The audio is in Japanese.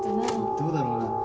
どうだろうな。